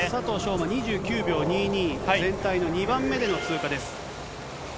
馬２９秒２２、全体の２番目での通過です。